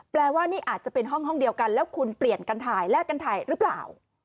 ว่านี่อาจจะเป็นห้องเดียวกันแล้วคุณเปลี่ยนกันถ่ายแลกกันถ่ายหรือเปล่า